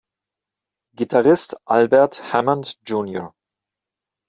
Gitarrist Albert Hammond Jr.